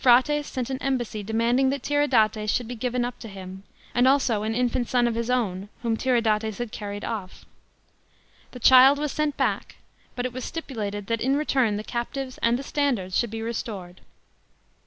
Phraates sent an embassy demanding that Tiridates should be given up to him, and also an infant son of his own whom Tiridates had carried off. The child was sent back, but it was stipulated that in return the captives and the standards should be restored.